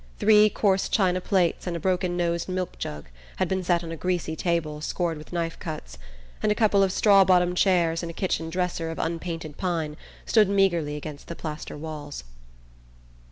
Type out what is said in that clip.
Three coarse china plates and a broken nosed milk jug had been set on a greasy table scored with knife cuts, and a couple of straw bottomed chairs and a kitchen dresser of unpainted pine stood meagrely against the plaster walls.